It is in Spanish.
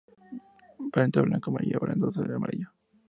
Perianto blanco o amarillo verdoso al amarillo.